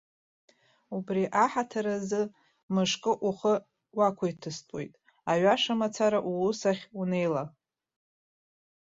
Убри аҳаҭыр азы мышкы ухы уақәиҭыстәуеит, аҩаша мацара уус ахь унеила.